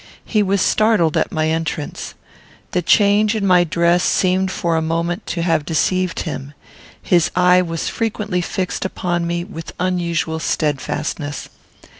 He was startled at my entrance. The change in my dress seemed for a moment to have deceived him. His eye was frequently fixed upon me with unusual steadfastness.